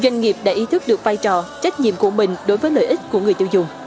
doanh nghiệp đã ý thức được vai trò trách nhiệm của mình đối với lợi ích của người tiêu dùng